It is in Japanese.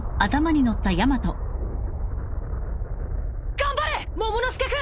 頑張れモモの助君！